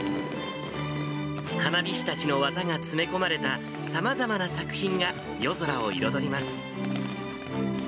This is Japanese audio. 花火師たちの技が詰め込まれた、さまざまな作品が夜空を彩ります。